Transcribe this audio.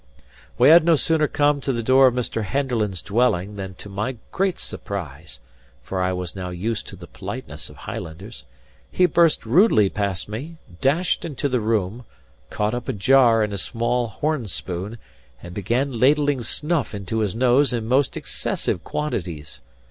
We had no sooner come to the door of Mr. Henderland's dwelling, than to my great surprise (for I was now used to the politeness of Highlanders) he burst rudely past me, dashed into the room, caught up a jar and a small horn spoon, and began ladling snuff into his nose in most excessive quantities.